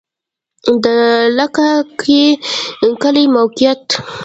د لکه کی کلی موقعیت